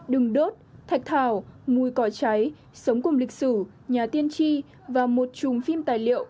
đừng đốt thạch thảo mùi cò cháy sống cùng lịch sử nhà tiên tri và một chùm phim tài liệu